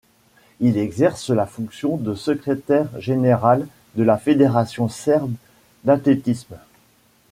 Il exerce la fonction de secrétaire général de la Fédération serbe d'athlétisme.